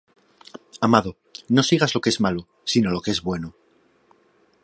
Amado, no sigas lo que es malo, sino lo que es bueno.